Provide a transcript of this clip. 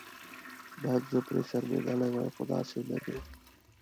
باید زه پرې شرمېدلې وای خو داسې نه ده.